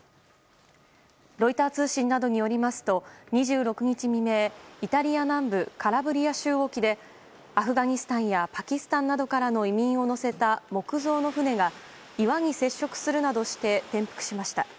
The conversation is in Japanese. ロイター通信などによりますと２６日未明イタリア南部カラブリア州沖でアフガニスタンやパキスタンなどからの移民を乗せた木造の船が岩に接触するなどして転覆しました。